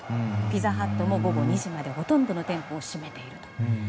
ピザハットも午後２時までほとんどの店舗を閉めている。